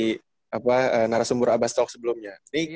seperti narasumbura abastok sebelumnya